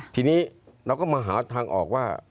ทีนี้เราก็มาหาทางออกว่า